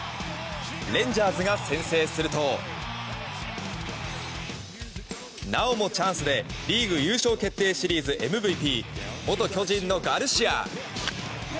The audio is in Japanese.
レンジャーズが先制するとなおもチャンスでリーグ優勝決定シリーズＭＶＰ元巨人のガルシア。